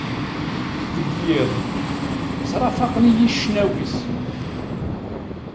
Deg yiḍ, ttrafaqen-iyi ccnawi-s.